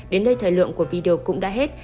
đến đây thời lượng của video cũng đã hết